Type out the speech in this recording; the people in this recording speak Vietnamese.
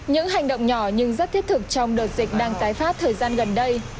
những hành động nhỏ nhưng rất thiết thực trong đợt dịch đang tái phát thời gian gần đây